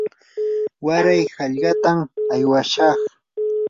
waray hallqatam aywashaq.